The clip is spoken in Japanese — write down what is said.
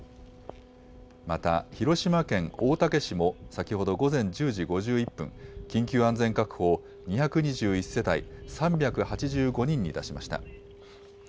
また広島県大竹市も先ほど午前１０時５１分、緊急安全確保を２２１世帯３８５人に出しました。